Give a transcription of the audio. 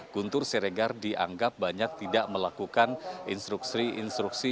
guntur siregar dianggap banyak tidak melakukan instruksi instruksi